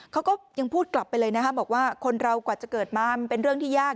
เขาก็ยังพูดกลับไปเลยนะคะบอกว่าคนเรากว่าจะเกิดมามันเป็นเรื่องที่ยาก